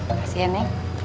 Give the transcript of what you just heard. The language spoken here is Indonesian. makasih ya neneng